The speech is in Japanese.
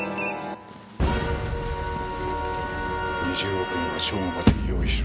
「二十億円は正午までに用意しろ」